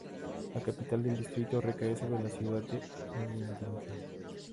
La capital del distrito recae sobre la ciudad de Emmendingen.